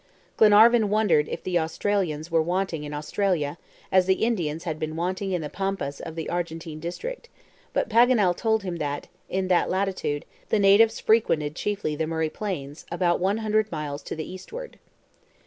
Glenarvan wondered if the Australians were wanting in Australia, as the Indians had been wanting in the Pampas of the Argentine district; but Paganel told him that, in that latitude, the natives frequented chiefly the Murray Plains, about one hundred miles to the eastward.